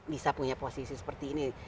bisa punya posisi seperti ini